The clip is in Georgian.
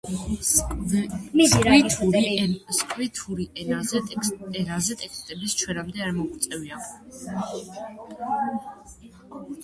სკვითური ენაზე ტექსტებს ჩვენამდე არ მოუღწევია.